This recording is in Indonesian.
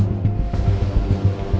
itu enggak diangkat